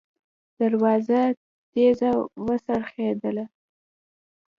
دروازه تېزه وڅرخېدله.